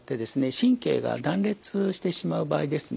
神経が断裂してしまう場合ですね